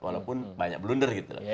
walaupun banyak blunder gitu